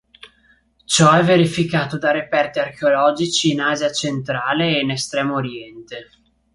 Ciò è verificato da reperti archeologici in Asia centrale e in Estremo Oriente.